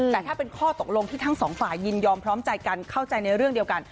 แต่ถ้าเป็นข้อตกลงที่ทั้งสองฝ่ายยินยอมพร้อมใจกันเข้าใจในเรื่องเดียวกัน